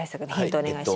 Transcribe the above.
お願いします。